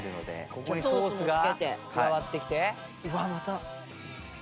ここにソースが加わってきて。